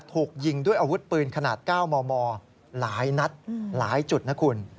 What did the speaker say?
ถูกยิงด้วยอาวุธปืนขนาด๙มมหลายนัดหลายจุดนะคุณ